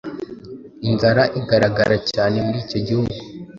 inzara igaragara cyane muri icyo gihugu